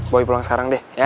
boy pulang sekarang deh ya